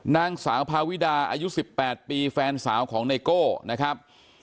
นางสาวพาวิดาอายุ๑๘ปีแฟนสาวของไนโก้นะครับ